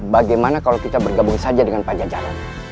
bagaimana kalau kita bergabung saja dengan pajajaran